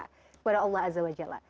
kepada allah azza wa jalla